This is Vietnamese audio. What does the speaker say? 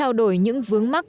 đã trao đổi những vướng mắc